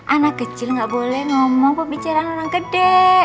anak kecil gak boleh ngomong pebicaraan orang gede